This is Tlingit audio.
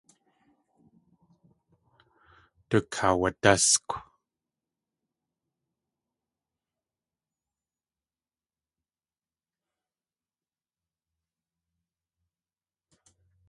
Tukaawadáskw.